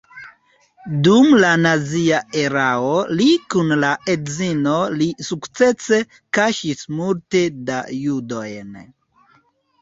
Dum la nazia erao li kun la edzino li sukcese kaŝis multe da judojn.